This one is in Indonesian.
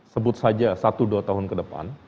sebut saja satu dua tahun ke depan